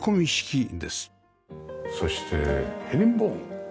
そしてヘリンボーン。